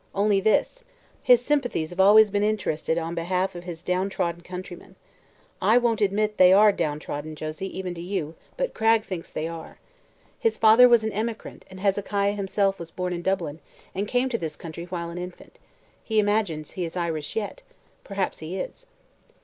"Only this: his sympathies have always been interested in behalf of his downtrodden countrymen. I won't admit that they are downtrodden, Josie, even to you; but Cragg thinks they are. His father was an emigrant and Hezekiah was himself born in Dublin and came to this country while an infant. He imagines he is Irish yet. Perhaps he is."